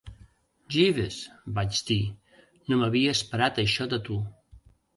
"Jeeves", vaig dir, "No m'havia esperat això de tu".